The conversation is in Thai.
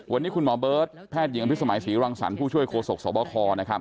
วันนี้คุณหมอเบิร์ตแพทย์ยิงอัมพิศสมัยศรีรังสรรค์ผู้ช่วยโครสกสวบาลคอร์